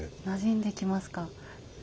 なじんできますか？